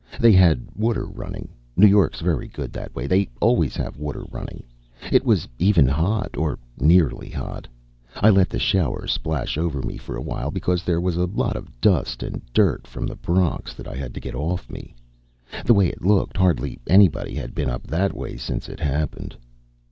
They had water running New York's very good that way; they always have water running. It was even hot, or nearly hot. I let the shower splash over me for a while, because there was a lot of dust and dirt from the Bronx that I had to get off me. The way it looked, hardly anybody had been up that way since it happened.